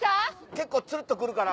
結構つるっと来るから。